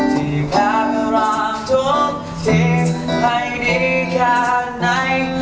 ที่แพ้พระรามทุกที่ใครดีแค่ไหน